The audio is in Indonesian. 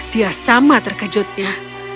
dia sama terkejutnya